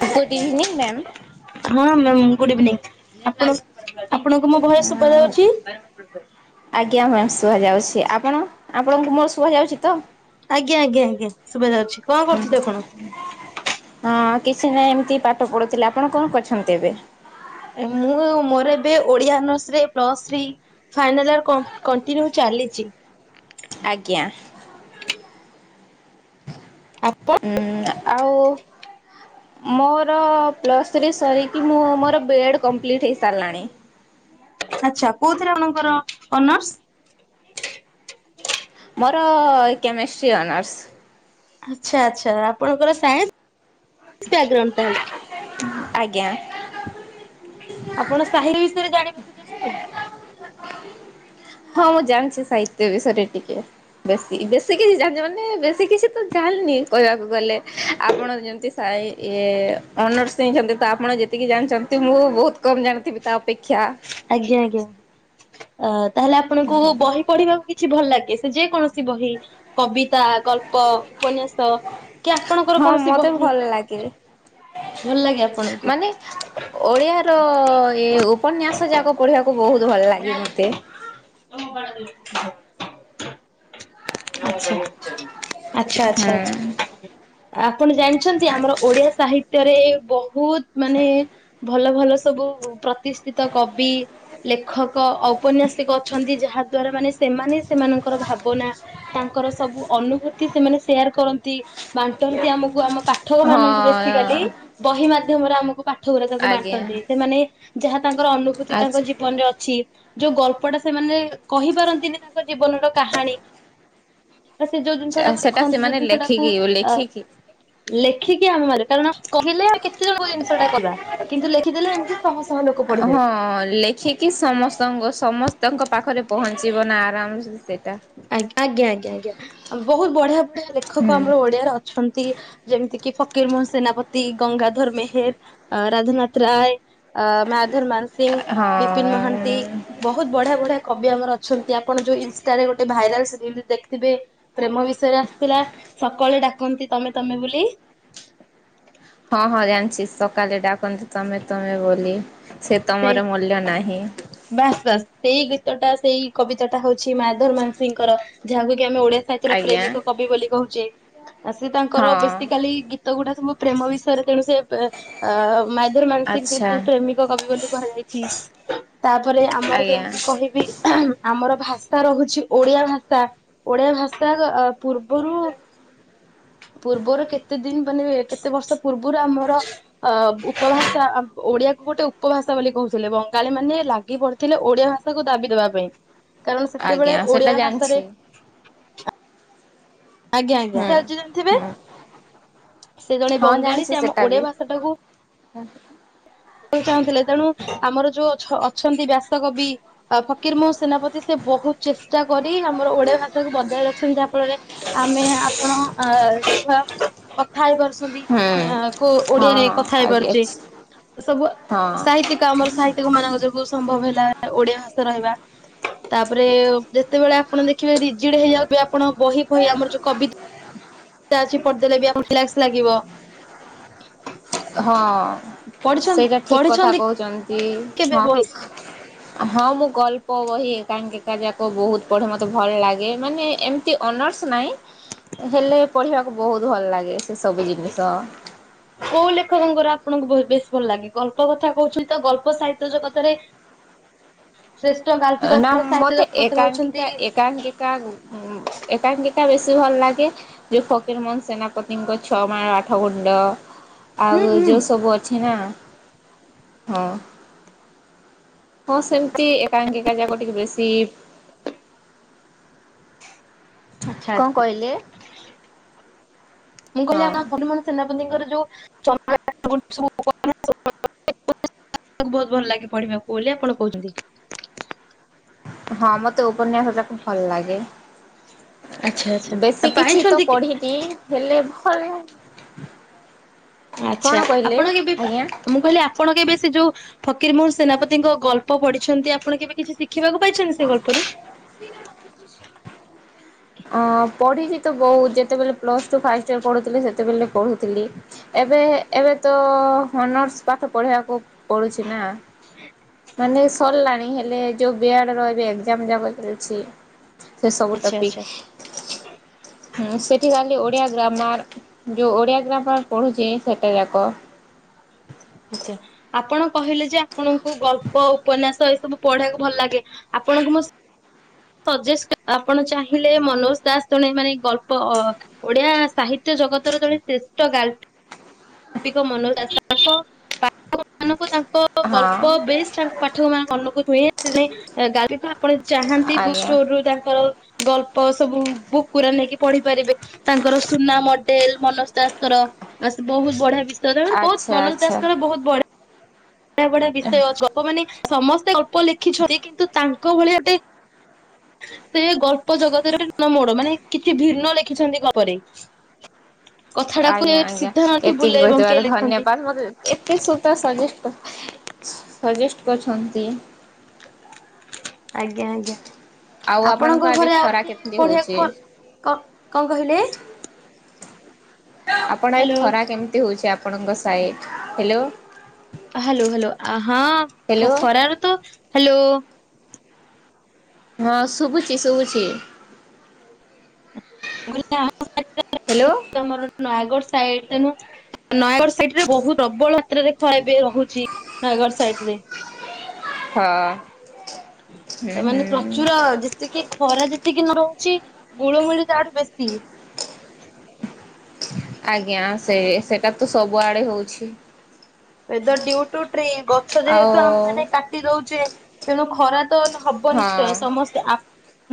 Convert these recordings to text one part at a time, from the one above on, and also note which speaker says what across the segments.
Speaker 1: Good evening ma'am.
Speaker 2: ହଁ ma'am good evening, ଆପଣ ଆପଣଙ୍କୁ ମୋ ଭଏସ ଶୁଭା ଯାଉଛି?
Speaker 1: ଆଜ୍ଞା, ମାମ ଶୁଣା ଯାଉଛି ଆପଣ? ଆପଣଙ୍କୁ ମୋର ଶୁଭା ଯାଉଛି ତ?
Speaker 2: ଆଜ୍ଞା ଆଜ୍ଞା ଆଜ୍ଞା ଶୁଭାଯାଉଛି, କଣ କରୁଥିଲେ ଆପଣ?
Speaker 1: ହଁ କିଛି ନାହିଁ, ଏମିତି ପାଠ ପଢୁଥିଲି, ଆପଣ କଣ କରଛନ୍ତି ଏବେ?
Speaker 2: ମୁଁ ମୋର ଏବେ ଓଡିଆ ଅନର୍ସ ରେ plus three, final year continue ଚା ଚାଲିଛି।
Speaker 1: ଆଜ୍ଞା।
Speaker 2: ଆପଣ?
Speaker 1: ହଁ, ଆଉ ମୋର ପ୍ଲସ ଥ୍ରୀ ସରିକି ମୋର [unintelligible] କମ୍ପ୍ଲିଟ ହେଇସାରିଲାଣି।
Speaker 2: ଆଛା, କୋଉଥିରେ ଆପଣଙ୍କର ଅନର୍ସ?
Speaker 1: ମୋର କେମିଷ୍ଟ୍ରି ଅନର୍ସ?
Speaker 2: ଆଚ୍ଛା ଆଚ୍ଛା, ଆପଣଙ୍କର ନ୍ସଗାଉ [unintelligible] ତାହଲେ
Speaker 1: ଆଜ୍ଞା।
Speaker 2: ଆପଣ ସାହିର ବିଷୟରେ ଜାଣିବାକୁ ଚାହିଁବେ?
Speaker 1: ହଁ, ମୁଁ ଜାଣିଛି ସାହିତ୍ୟ ବିଷୟରେ ଟିକେ ବେଶୀ ବେଶୀ କିଛି ଜାଣିନି, ମାନେ ବେଶୀ କିଛି ତ ଜାଣିନି କହିବାକୁ ଗଲେ, ଆପଣ ଯେମତି [unintelligible] ଇ ଇଏ ଅନର୍ସ ନେଇଛନ୍ତି ତ, ଆପଣ ଯେତିକି ଜାଣିଛନ୍ତି, ମୁଁ ବହୁତ କମ୍ ଜାଣିଥିବି ତା ଅପେକ୍ଷା
Speaker 2: ଆଜ୍ଞା, ଆଜ୍ଞା, ତାହେଲେ ଆପଣଙ୍କୁ ବହି ପଢିବାକୁ କି କିଛି ଭଲ ଲାଗେ, ସେ ଯେ କୌଣସି ବହି, କବିତା ଗଳ୍ପ ଉପନ୍ୟାସ କି ଆପଣଙ୍କର
Speaker 1: ହଁ
Speaker 2: କୌଣସି
Speaker 1: ମତେ
Speaker 2: ବହି।
Speaker 1: ଭଲ ଲାଗେ।
Speaker 2: ଭଲ ଲାଗେ ଆପଣଙ୍କୁ?
Speaker 1: ମାନେ ଓଡିଆ ର, ଏ ଉପନ୍ୟାସ। ଯାକ ପଢିବାକୁ ବହୁତ ଭଲ ଲାଗେ ମତେ।
Speaker 2: ହ [unintelligible] ଆଚ୍ଛା
Speaker 1: ହୁଁ
Speaker 2: ଆଚ୍ଛା, ଆଚ୍ଛା, ଆପଣ ଜାଣିଛନ୍ତି ଆମର ଓଡିଆ ସାହିତ୍ୟ ରେ ବହୁତ ମାନେ ଭଲ ଭଲ ସବୁ ପ୍ରତିଷ୍ କବି ଲେଖକ, ଔପନ୍ୟାସିକ ଅଛନ୍ତି, ଯାହା ଦ୍ଵାରା ସେ ମାନେ, ସେମାନେ ସେମାନଙ୍କର ଭାବନା, ତାଙ୍କର ସବୁ ଅନୁଭୂତି, ସେମାନେ ସେୟାର କରନ୍ତି ବାଣ୍ଟନ୍ତି ଆମକୁ ଆମ ପାଠକ ମାନଙ୍କୁ ବେସିକାଲି
Speaker 1: ହଁ
Speaker 2: ବହି ମାଧ୍ୟମରେ ଆମକୁ ପାଠ ଗୁରା ତାକୁ
Speaker 1: ଆଜ୍ଞା।
Speaker 2: ବାଣ୍ଟନ୍ତି, ସେମାନେ ଯାହା ର ଅନୁଭୂତି ତାଙ୍କ
Speaker 1: ଆଚ୍ଛା
Speaker 2: ଜୀବନରେ ଅଛି, ଯୋଉ ଗଳ୍ପ ଟା ସେମାନେ କହିପାରନ୍ତିନି ତାଙ୍କ ଜୀବନର କାହାଣୀ। ବା ସେ ଯୋଉ ଜିନିଷଟାକୁ
Speaker 1: ସେଟା
Speaker 2: ଦେଖନ୍ତି, ଯୋଉ
Speaker 1: ସେମାନେ
Speaker 2: ଜିନିଷଟାକୁ
Speaker 1: ଲେଖିକି
Speaker 2: ଅ
Speaker 1: ଲେଖିକି
Speaker 2: ଲେଖିକି ଆମ ମ, କାରଣ କହିଲେ ଆଉ କେତେ ଜଣଙ୍କ ଜିନିଷଟା କଲା କିନ୍ତୁ ଲେଖିଦେଲେ ଏମିତି ଶହ ଶହ ଲୋକ ପଢିଦେବେ।
Speaker 1: ହଁ ଲେଖିକି ସମସ୍ତଙ୍କ, ସମସ୍ତଙ୍କ ପାଖରେ ପହଞ୍ଚିବ ନା ଆରାମସେ
Speaker 2: ଆ ଆଜ୍ଞା ଆଜ୍ଞା ଆଜ୍ଞା ବହୁତ ବଢିଆ। ଓଡିଆ ଲେଖକ,
Speaker 1: ହୁଁ।
Speaker 2: ଆମର ଓଡିଆରେ ଅଛନ୍ତି, ଯେମିତି- କି ଫକୀର ମୋହନ ସେନାପତି, ଗଙ୍ଗାଧର ମେହେର, ରାଜଧନାଥ ରାୟ। ଅ ମାୟାଧର ମାନସିିଂହ,
Speaker 1: ହଁ
Speaker 2: ବିପିନ ମହାନ୍ତି, ବହୁତ ବଢିଆ ବଢିଆ କବି ଆମର ଅ ଅଛନ୍ତି, ଆପଣ ଯୋଉ ରେ ଗୋଟେ ଭାଇରାଲ ଦେଖିଥିବେ, ପ୍ରେମ ବିଷୟରେ ଆସିଥିଲା, ସକାଳେ ଡାକନ୍ତି ତମେ ତମେ ବି [unintelligible]
Speaker 1: ହଁ ହଁ ଜାଣିଛି, ସକାଳେ ଡାକନ୍ତୁ ତମେ ତମେ ବୋଲି ସେ
Speaker 2: ସେଇ,
Speaker 1: ତମର ମୂଲ୍ୟ ନାହିଁ
Speaker 2: ବାସ ବାସ, ସେଇ ଗୀତ ଟା ସେଇ ଟା ହଉଛି ମାୟାଧରମାନସୀଙ୍କର, ଯାହାକୁ ଆମେ ଓଡିଆ ସାହିତ୍ୟର
Speaker 1: ଆଜ୍ଞା
Speaker 2: ପ୍ରେମିକ କବି ବୋଲି କହୁଛେ, ସେ ତାଙ୍କର
Speaker 1: ହଁ।
Speaker 2: ବସିକାଲି ଗୀତ ଗୁଡା ପ୍ରେମ ବିଷୟରେ ତେଣୁ ସେ ମାଇଦର ମାନସିକ
Speaker 1: ଆଚ୍ଛା
Speaker 2: ଯେତୁ ପ୍ରେମିକ କବି ବୋଲି କୁହାଯାଇଛି, ତାପରେ ଆମର
Speaker 1: ଆଜ୍ଞା
Speaker 2: ଯେମିତି କହିବି ଆମର ଭାଷା ରହୁଛି ଓଡିଆ ଭାଷା, ଓଡିଆ ଭାଷା ପୂର୍ବରୁ ପୂର୍ବରୁ କେତେ ଦିନ ମାନେ, କେତେ ବର୍ଷ ପୂର୍ବରୁ ଆମର ଅ ଉପଭାଷା ଓଡିଆକୁ ଗୋଟେ ଉପଭାଷା ବୋଲି କହୁଥିଲେ, ବଙ୍ଗାଳୀ ମାନେ ଲାଗି ପଢଥିଲେ ଓଡିଆ ଭାଷାକୁ ଦାବି ଦବା ପାଇଁ। କାରଣ,
Speaker 1: ଆଜ୍ଞା
Speaker 2: ସେତେବେଳେ
Speaker 1: ସେଟା
Speaker 2: ଓଡିଆ
Speaker 1: ଜାଣିଛି
Speaker 2: ଭାଷାରେ ଆଜ୍ଞା
Speaker 1: ହୁଁ।
Speaker 2: ଆଜ୍ଞା ଥିବେ।
Speaker 1: ହୁଁ
Speaker 2: ସେ ଜଣେ ବଙ୍ଗାଳୀ, ସେ ଆମ ଓଡିଆ ଭାଷା ଟାକୁ
Speaker 1: ହ [unintelligible]
Speaker 2: କୁ ଚାହୁଁଥିଲେ, ତେଣୁ ଆମର ଯୋଉ ଅଛନ୍ତି ବ୍ୟାସକବି ଫକିର ମୋହ ସେନାପତି, ସେ ବହୁତ ଚେଷ୍ଟା କରି ଆମର ଓଡିଆ ଭାଷା କୁ ବଜାଇ ରଖୁଛନ୍ତି। ଯାହାଫଳରେ ଆମେ ଆପଣ ଆଛା। କଥା ହେଇ ପାରୁଛନ୍ତି।
Speaker 1: ହଁ
Speaker 2: କୋଉ ଓଡିଆରେ
Speaker 1: ହଁ
Speaker 2: କଥା
Speaker 1: ଆଜ୍ଞା
Speaker 2: ହେଇପାରୁଚେ। ସବୁ
Speaker 1: ହଁ
Speaker 2: ସାହିତ୍ୟିକ ଆମର ସାହିତ୍ୟିକ ମାନଙ୍କ ଯୋଗୁ ସମ୍ଭବ ହେଲା ଓଡିଆ ଭାଷା ରହିବା। ତାପରେ ଯେତେବେଳେ ଆପଣ ଦେଖିବେ ରିଜିଡି ହେଇଯାଉଥିବେ। ଆପଣ ବହି ବହି ଆମର ଯୋଉ କବିତା ପଦେଲେ ବି ଆମକୁ ରିଲାକ୍ସ ଲାଗିବ।
Speaker 1: ହଁ
Speaker 2: ପଢିଛନ୍ତି
Speaker 1: ସେଇଟା ଠିକ୍ କଥା
Speaker 2: ପଢିଛନ୍ତି
Speaker 1: କହୁଛନ୍ତି।
Speaker 2: କେବେ
Speaker 1: ହଁ।
Speaker 2: ବହି?
Speaker 1: ହଁ ମୁଁ ଗଳ୍ପ ବହି କାହିଁକି ଏକା ଯାକ ବହୁତ ପଢେ। ମତେ ଭଲ ଲାଗେ। ମାନେ ଏମିତି ନର୍ସ ନାହିଁ। ହେଲେ ପଢିବାକୁ ବହୁତ ଭଲ ଲାଗେ ସେ ସବୁ ଜିନିଷ।
Speaker 2: କୋଉ ଲେଖକଙ୍କର ଆପଣଙ୍କୁ ବହୁ ବେଶ୍ ଭଲ ଲାଗେ। ଗଳ୍ପ କଥା କହୁଛି ତ ଗଳ୍ପ ସାହିତ୍ୟ କଥାରେ [inaudible]
Speaker 1: ନା ମତେ
Speaker 2: ହଉଛନ୍ତି
Speaker 1: ଏକାଙ୍କିକା ଏକାଙ୍କିକା ଏକାଙ୍କତା ବେଶୀ ଭଲ ଲାଗେ। ଲାଗେ ଯୋଉ ଫକିରମୋହନ ସେନା ପତିଙ୍କ ଛଅ ମାଳ ଆଠ ଗୁଣ୍ଡ
Speaker 2: ହୁଁ
Speaker 1: ଆଉ
Speaker 2: ହୁଁ
Speaker 1: ଯେଉଁ ସବୁ ଅଛି ନା। ହଁ ହଁ ସେମିତି ଏ କାହିଙ୍କିକା ଯାକ ଟିକେ ବେଶୀ
Speaker 2: ଆଚ୍ଛା
Speaker 1: କଣ
Speaker 2: ଆଚ୍ଛା
Speaker 1: କହିଲେ?
Speaker 2: ମୁଁ କହିଲି
Speaker 1: ହଁ
Speaker 2: ଆମ ଫକୀ ମୋହନ ସେନା ର ଯୋଉ [unintelligible] ଙ୍କୁ ବହୁତ ଭଲ ଲାଗେ ପଢିବାକୁ ବୋଲି ଆପଣ କହୁଛନ୍ତି।
Speaker 1: ହଁ ମୋତେ ଉପନ୍ୟାସଟା ଖୁବ୍ ଭଲ ଲାଗେ।
Speaker 2: ଆଚ୍ଛା ଆଚ୍ଛା ଆଉ
Speaker 1: ବେଶୀ କିଛି ତ
Speaker 2: ପାଇଛନ୍ତି କି
Speaker 1: ପଢିନି। ହେଲେ ଭଲ।
Speaker 2: ଆଛା
Speaker 1: କଣ କହିଲେ
Speaker 2: ଆପଣ କେବେ
Speaker 1: ଆଜ୍ଞା
Speaker 2: ତ ମୁଁ କହିଲି ଆପଣ କେବେ ସେ ଯୋଉ ଫକୀରମୋହନ ସେନାପତିଙ୍କ ଗଳ୍ପ ପଢିଛନ୍ତି। ଆପଣ କେବେ କିଛି ଶି ସେ ଗଳ୍ପରେ।
Speaker 1: ଅ ପଢିଛି ତ ବହୁତ। ଯେତେବେଳେ ପ୍ଲସ ଟୁ ଫା ପଢୁଥିଲି ସେତେବେଳେ କହୁଥିଲି। ଏବେ ଏବେ ତ ଅନର୍ସ ପାଠ ପଢିବାକୁ ପଡୁଛି ନା ମାନେ ସରିଲାଣି। ହେଲେ ଯୋଉ ବି ରହିବି। ଏକଯାମ୍ ଚାଲିୁଛି ସେ ସବୁ
Speaker 2: ଆଚ୍ଛା ଆଚ୍ଛା
Speaker 1: ଟପିକି। ହଁ ସେଠି କାଲି ଓଡିଆ ଗ୍ରାମାର୍ ଯୋଉ ଓଡିଆ ଗ୍ରାମାର୍ ପଢୁଛି ସେଟା ଯାକ।
Speaker 2: ହ। ଆଛା ଆପଣ କହିଲେ ଯେ ଆପଣଙ୍କୁ ଗଳ୍ପ ଉପନ୍ୟାସ ଏସବୁ ପଢିବାକୁ ଭଲ ଲାଗେ। ଆପଣଙ୍କୁ ମ ସଜେସ୍ ଆପଣ ଚାହିଁଲେ ମନୋଜ ଦାସ୍ ଜଣେ ମାନେ ଗଳ୍ପ ଓଡିଆ ସାହିତ୍ୟ ଜଗତର ଜଣେ ଶ୍ରେଷ୍ଠ ଗାଲ୍ ମନ ଦାସ ପାଠ ମାନଙ୍କୁ ତାଙ୍କ
Speaker 1: ହଁ
Speaker 2: ଗଳ୍ପ ବେଶ ତାଙ୍କ ପାଠକୁ ମେ ମନକୁ ଛୁଏଁ। ସେଥିପାଇଁ ଗ ଆପଣ ସବୁ
Speaker 1: ଆଜ୍ଞା
Speaker 2: ଷ୍ଟୋରୁ ତାଙ୍କର ଗଳ୍ପ ସବୁ ବୁ ପୁରା ନେଇକି ପଢି ପାରିବେ। ତାଙ୍କର ସୁନା ମଡେଲ୍ ମନଜ ଦାସ୍ ଙ୍କର। ଆ ବହୁତ ବଢିଆ ବହୁତ
Speaker 1: ଆଚ୍ଛା
Speaker 2: ମନଜ ଦାସ୍ ଙ୍କର
Speaker 1: ଆଚ୍ଛା
Speaker 2: ବହୁତ ବଢଆ। ବ ବଢିଆ ବିଷୟ ଅଛି। ଗପ ମାନେ ସମସ୍ତେ ଗଳ୍ପ ଲେଖିଛନ୍ତି। କିନ୍ତୁ ତାଙ୍କ ଭଳି ଗୋଟେ [inaudible] ସେ ଗଳ୍ପ ଜଗତରେ ନ ମୋଡ ମାନେ କିଛି ଭିନ୍ନ ଲେଖିଛନ୍ତି ଗପରେ। କଥାଟାକୁ
Speaker 1: ଆଜ୍ଞା ଆଜ୍ଞା
Speaker 2: ସିଧା ନଖି
Speaker 1: ଏତିକି
Speaker 2: ବୁଲେଇ ବଙ୍କେଇ
Speaker 1: କହିଥିବାର
Speaker 2: ଲେଖନ୍ତି
Speaker 1: ଧନ୍ୟବାଦ। ମ ଏତେ ସୁତା ସଜେଷ୍ଟ୍ ସଜେଷ୍ଟ କରିଛନ୍ତି।
Speaker 2: ଆଜ୍ଞା ଆଜ୍ଞା।
Speaker 1: ଆଉ
Speaker 2: ଆପଣଙ୍କ
Speaker 1: ଆଡେ
Speaker 2: ଘରେ ଆଉ
Speaker 1: ଖରା
Speaker 2: କେହି
Speaker 1: କେମିତି ହଉଛି?
Speaker 2: ପଢିବାକୁ ଭଲ କ କଣ କହିଲେ?
Speaker 1: ଆପଣ ଏ
Speaker 2: ହ୍ୟାଲୋ
Speaker 1: ଖରା କେମିତି ହଉଛି। ଆପଣଙ୍କ ସାଇଟ୍ ହ୍ୟାଲୋ।
Speaker 2: ହ୍ୟାଲୋ ହ୍ୟାଲୋ ହଁ
Speaker 1: ହ୍ୟାଲୋ
Speaker 2: ଖରାର ତ ହ୍ୟାଲୋ।
Speaker 1: ହଁ ଶୁଭୁଛି ଶୁଭୁଛି।
Speaker 2: ବ
Speaker 1: ହ୍ୟାଲୋ
Speaker 2: ଆମର ନୟାଗଡ ସାଇଡ ତେଣୁ ନୟାଗଡ ସାଇଟରେ ବହୁତ ପ୍ରବଳ ମାତ୍ରରେ ଖରା ରହୁଛି, ନୟାଗଡ ସାଇଟରେ
Speaker 1: ହଁ ହୁଁ
Speaker 2: ତା ମାନେ
Speaker 1: ହୁଁ
Speaker 2: ପ୍ରଚୁର ଯେତିକି ଖରା ଯେତିକି ନ ରହୁଛି, ଗୋଳ ମିଳି ତାଠୁ ବେଶୀ
Speaker 1: ଆଜ୍ଞା, ସେ ସେଟା ତ ସବୁଆଡେ ହଉଛି।
Speaker 2: ଗଛ
Speaker 1: ଆଉ
Speaker 2: ଯେହେତୁ ଆମେ ମାନେ କାଟି ଦଉଛେ, ତେଣୁ ଖରା ତ ହବ
Speaker 1: ହଁ
Speaker 2: ନିଶ୍ଚୟ, ସମସ୍ତେ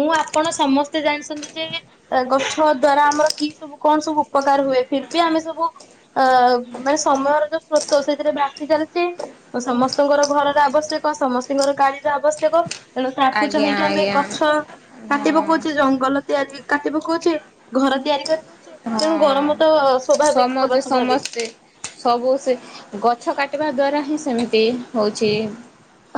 Speaker 2: ମୁଁ ଆପଣ ସମସ୍ତେ ଜାଣିଛନ୍ତି ଯେ- ଗଛ ଦ୍ଵାରା ଆମର କି ସବୁ କଣ ସବୁ ଉପକାର ହୁଏ। ଫିରିବି ଆମେ ସବୁ ଅ ମାନେ ସମୟର ଯୋ ତ ସେଥିରେ ବାସି ଚାଲିଛି, ସମସ୍ତଙ୍କର ଘରର ଆବଶ୍ୟକ, ସମସ୍ତଙ୍କର ଗାଳିର ଆବଶ୍ୟକ। ତେଣୁ ତାକୁ
Speaker 1: ଆଜ୍ଞା
Speaker 2: ଚାହିଁକି, ଆମେ
Speaker 1: ଆଜ୍ଞା
Speaker 2: ଗଛ କାଟିବାକୁଉଛେ ଜଙ୍ଗଲ ତିଆରି କାତି ପକଉଛେ, ଘର ତିଆରି କରି
Speaker 1: ହଁ
Speaker 2: ତେଣୁ
Speaker 1: ହଁ।
Speaker 2: ଗରମ ତ ସ୍ୱାଭାବିକ ହବା
Speaker 1: ସମସ୍ତେ ସମସ୍ତେ
Speaker 2: ସ୍ୱାଭାବିକ
Speaker 1: ସବୁ ସେ ଗଛ କାଟିବା ଦ୍ଵାରା ହିଁ ସେମିତି ହଉଛି।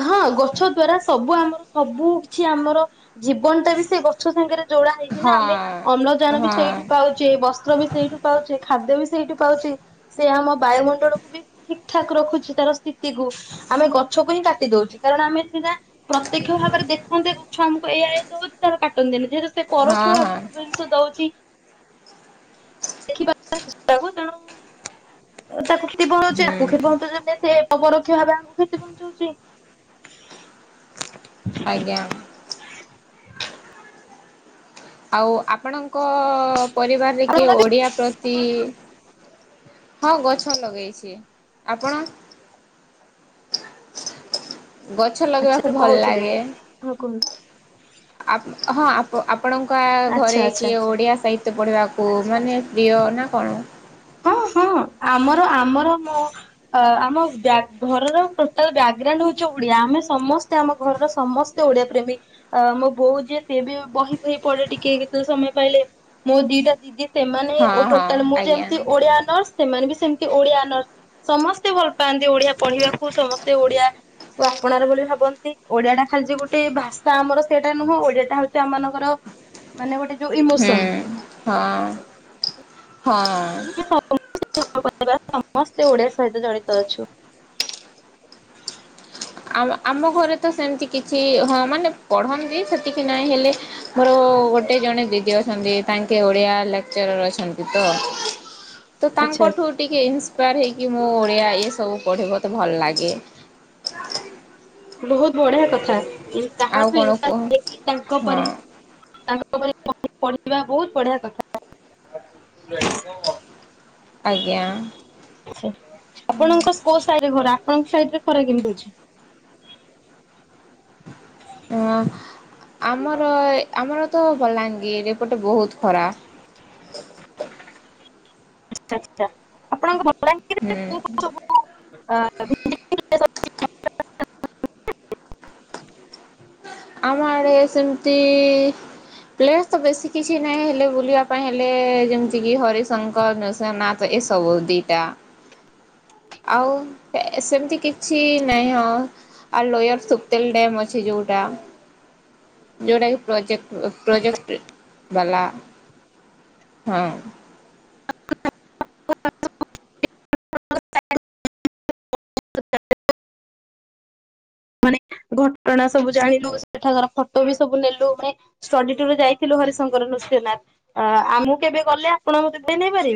Speaker 2: ହଁ। ଗଛ ଦ୍ଵାରା ସବୁ ଆମର, ସବୁ କିଛି ଆମର, ଜୀବନଟା ବି ସେ ଗଛ ସାଙ୍ଗରେ ଯୋଉଡା ହେଇଛିି ନା,
Speaker 1: ହଁ
Speaker 2: ଆମେ ଅମ୍ଳଜାନ ବି
Speaker 1: ହଁ
Speaker 2: ସେଇଠୁ ପାଉଛେ, ବସ୍ତ୍ର ବି ସେଇଠୁ ପାଉଛେ, ଖାଦ୍ୟ ବି ସେଇଠି ପାଉଛେ, ସେ ଆମ ବାୟୁମଣ୍ଡଳକୁ ବି ଠିକ ଠାକ ରଖୁଛି, ତାର ସ୍ଥିତିକୁୁ, ଆମେ ଗଛକୁ ହିଁ କାଟ ଟି ଦଉଛି, କାରଣ ଆମେ ସେଇଟା ପ୍ରତ୍ୟକ୍ଷ ଭାବରେ ଦେଖନ୍ତେ ଗଛ ଆମକୁ ଏ ଦଉ ତା କାଟନ୍ତିନି ଯେହେତୁ ସେ
Speaker 1: ହଁ
Speaker 2: ପରୋକ୍ଷ
Speaker 1: ହଁ
Speaker 2: ଭାବରେ ସବୁ ଜିନିଷ ଦଉଛି। ଦେଖିବାକୁ ତେଣୁ ତାକୁ କ୍ଷତି ପଢଉଛି ଆ
Speaker 1: ହୁଁ
Speaker 2: କକୁ କ୍ଷତି ପହଞ୍ଚୁଛନ୍ତି ସେ ଅପ ପରୋକ୍ଷ ଭାବେ ଆମ କ୍ଷତିହଞ୍ଚଉଛି।
Speaker 1: ଆଜ୍ଞା। ଆଉ ଆପଣଙ୍କ ପରିବାରରେ କିଏ ଓଡିଆ ପ୍ରତି ହଁ ଗଛ ଲଗେଇଛି ଆପଣ?
Speaker 2: ଆ [inaudible]
Speaker 1: ଗଛ ଲଗେଇବାକୁ ଭଲ ଲାଗେ,
Speaker 2: ହଁ କୁହନ୍ତୁ।
Speaker 1: ଆ ହଁ ଆପଣଙ୍କ ଘରେ
Speaker 2: ଆଚ୍ଛା ଆଚ୍ଛା
Speaker 1: କିଏ
Speaker 2: ଆଚ୍ଛା
Speaker 1: ଓଡିଆ ସାହିତ୍ୟ ପଢିବା। ଆ ମାନେ ପ୍ରିୟ ନା କଣ?
Speaker 2: ହ ଆମର ଆମର ଆମ ଘରର ରୋଟାଲ ବାଗଗ୍ରାଉଣ୍ଡ ହ ଆମେ ସମସ୍ତେ ଆମ ଘରର ସମସ୍ତେ ଓଡିଆ ପ୍ରେମୀ, ମୋ ବୋଉ ଯିଏ ସିଏ ବି ବହି, ବହି ପଳେଇ ଟିକେ କେତେ ସମୟ ପାଇଲେ, ମୋ ଦିଟା ଦିଦି ସେମାନେ
Speaker 1: ହଁ ହଁ
Speaker 2: ଟୋଟାଲ ମୁଁ ଯେମ
Speaker 1: ଆଜ୍ଞା
Speaker 2: ଓଡିଆ ଅନର୍ସ, ସେମାନେ ବି ସେମିତି ଓଡିଆ ଅନର୍ସ, ସମସ୍ତେ ଭଲ ପାଆନ୍ତି ଓଡିଆ ପଢିବାକୁ, ସମସ୍ତେ ଓଡିଆ କୁ ଆପଣାର ବୋଲି ଭାବନ୍ତି, ଓଡିଆ ଟା ଖାଲିଛି ଗୋଟେ ଭାଷା, ଆମର ସେଇଟା ନୁହଁ, ଓଡିଆଟା ହଉଛି ଆମମାନଙ୍କର ମାନେ ଗୋଟେ ଯୋଉ ଇମୋସନ
Speaker 1: ହୁଁ ହଁ।
Speaker 2: [unintelligible] ସମସ୍ତେ ଓଡିଆ ସହିତ ଜଡିତ ଅଛୁ।
Speaker 1: ଆ ଆମ ଘରେ ତ ସେମତି କିଛି ହଁ ମାନେ ପଢନ୍ତି ସେତିକି ନହିଁ ହେଲେ ମୋର ଗୋଟେ ଜଣେ ଦିଦି ଅଛନ୍ତି, ତାଙ୍କେ ଓଡିଆ ଲେକ୍ଚରର ଅଛନ୍ତି ତ।
Speaker 2: ହ
Speaker 1: ତ ତାଙ୍କଠୁ ଟିକେ ଇନ୍ସପାୟାର ହେଇକି ମୁଁ ଓଡ଼ିଆ ଏ ସବୁ ପଢ଼ି ମୋତେ ଭଲ ଲାଗେ।
Speaker 2: ବହୁତ ବଢିଆ କଥା,
Speaker 1: ଆଉ
Speaker 2: କାହାଠୁ
Speaker 1: କଣ କୁହ
Speaker 2: [unintelligible] ଇକି ତାଙ୍କ
Speaker 1: ହଁ
Speaker 2: ପରି ପଢିବା ବହୁତ ବଢିଆ କଥା।
Speaker 1: ଆଜ୍ଞା
Speaker 2: ଆପଣଙ୍କ କୋଉ ସାହି ରେ ଘରା। ସାଇଟ ରେ ଖରା କେ [unintelligible] ମୁ ଅଛି
Speaker 1: ହ ଆମର, ଆମର ତ ବଲାଙ୍ଗୀର, ଏପଟେ ବହୁତ ଖରା।
Speaker 2: ଆଛା ଆଛା, ଆପଣଙ୍କ ମଲାିର
Speaker 1: ହୁଁ।
Speaker 2: ସବୁ [unintelligible] ଆ [unintelligible]
Speaker 1: ଆମ ଆଡେ ସେମିତି ପ୍ଲେ ତ ବେଶୀ କିଛି ନାହିଁ। ହେଲେ ବୁଲିବା ପାଇଁ ହେଲେ ଯେମିତି କି ହରିଶଙ୍କର ନସିୟ ନାଥ୍ ଏ ସବୁ ଦିଇଟା।
Speaker 2: [inaudible]
Speaker 1: ଆଉ ସେମିତି କିଛି ନାହିଁ। ହଁ। ଆ ଲୋୟାର ସୁୁପତେଲ ଅଛି ଯଉଟା। ଯେଉଟା କିି ପ୍ରୋଜେକ୍ଟ୍ ପ୍ରୋଜେକ୍ଟ୍ ବାଲା। ହଁ।
Speaker 2: [unintelligible] [unintelligible] ମାନେ ଘଟଣା ସବୁ ଜାଣିଲୁ। ସେଠାକାର ଫଟୋ ବି ସବୁ ନେଲୁ। ମାନେ ଷ୍ଟଡି ଟୁ ଯାଇଥିଲୁ। ହରିଶଙ୍କର ନୃସ୍ୟନାଥ୍ ଆ ଆମକୁ ଏବେ ଗଲେ ଆପଣ ମତେ ଚିହ୍ନି ପାରିବେ?